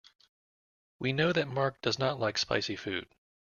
We know that Mark does not like spicy food.